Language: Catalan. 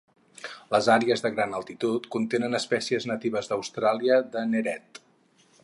Les àrees de gran altitud contenen espècies natives d'Austràlia de neret.